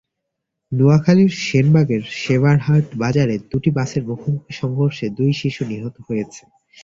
নোয়াখালীর সেনবাগের সেবারহাট বাজারে দুটি বাসের মুখোমুখি সংঘর্ষে দুই শিশু নিহত হয়েছে।